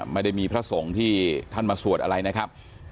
ไม่ได้มีพระสงฆ์ที่ท่านมาสวดอะไรนะครับ